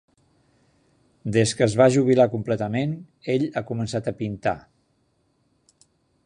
Des que es va jubilar completament, ell ha començat a pintar.